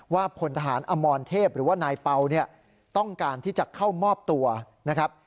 พลทหารอมรเทพหรือว่านายเป่าเนี่ยต้องการที่จะเข้ามอบตัวนะครับ